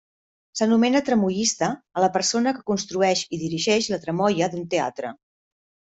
S'anomena tramoista a la persona que construeix i dirigeix la tramoia d'un teatre.